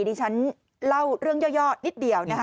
ดิฉันเล่าเรื่องย่อนิดเดียวนะคะ